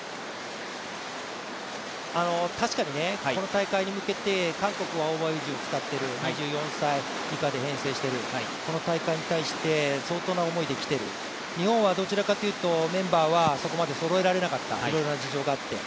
確かにこの大会に向けて韓国はオーバーエイジを使っている２４歳以下で編成している、この大会に対して相当な思いできている、日本はどちらかというとメンバーはそこまでそろえられなかった、いろいろな事情があって。